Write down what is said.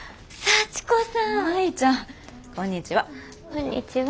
こんにちは。